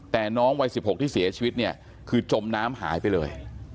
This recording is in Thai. แต่น้องวัย๑๖ที่เสียชีวิตเนี่ยคือจมน้ำหายไปเลย